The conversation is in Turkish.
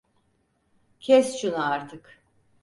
Kes şunu artık!